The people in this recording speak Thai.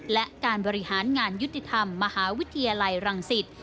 และการบริหารงานยุติธรรมมหาวิทยาลัยรังสิต